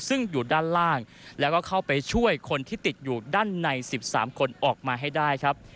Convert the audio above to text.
ซึ่งอยู่ด้านล่างแล้วก็เข้าไปช่วยคนที่ติดอยู่ด้านใน๑๓คนออกมาให้ได้ครับ